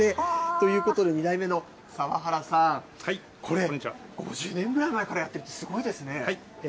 ということで、２代目のさん、これ、５０年ぐらい前からやってるって、すごいですね。